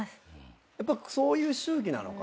やっぱそういう周期なのかな。